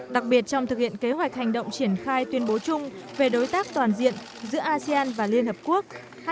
đặc biệt trong thực hiện kế hoạch hành động triển khai tuyên bố chung về đối tác toàn diện giữa asean và liên hợp quốc hai nghìn một mươi sáu hai nghìn hai mươi